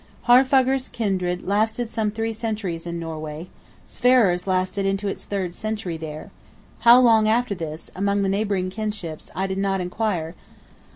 Haarfagr's kindred lasted some three centuries in Norway; Sverrir's lasted into its third century there; how long after this, among the neighboring kinships, I did not inquire.